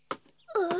ああ。